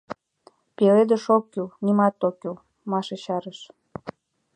— Пеледыш ок кӱл... нимат ок кӱл, — Маша чарыш.